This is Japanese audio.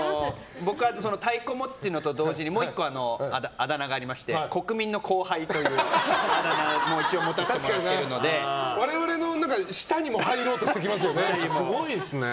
僕、太鼓を持つというのと同時にもう１個あだ名がありまして国民の後輩というあだ名も我々の下にも入ろうとしてきますよね。